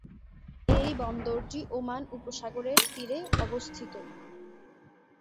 এই বন্দরটি ওমান উপসাগর এর তীরে অবস্থিত।